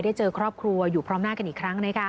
ได้เจอครอบครัวอยู่พร้อมหน้ากันอีกครั้ง